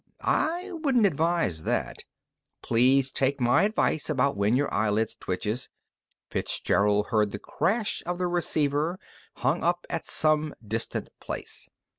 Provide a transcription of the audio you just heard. I wouldn't advise that! Please take my advice about when your eyelid twitches " Fitzgerald heard the crash of the receiver hung up at some distant place.